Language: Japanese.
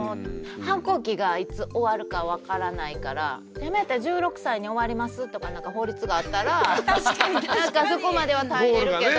反抗期がいつ終わるか分からないからせめて１６歳に終わりますとかなんか法律があったらなんかそこまでは耐えれるけど。